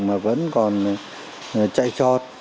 mà vẫn còn chạy trót